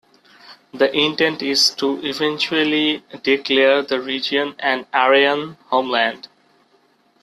The intent is to eventually declare the region an "Aryan" homeland.